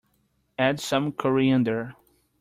Add some coriander.